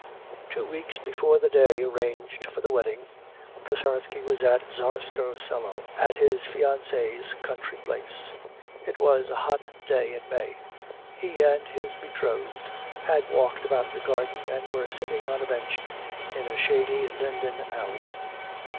Two weeks before the day arranged for the wedding, Kasatsky was at Tsarskoe Selo at his fiancee's country place. It was a hot day in May. He and his betrothed had walked about the garden and were sitting on a bench in a shady linden alley.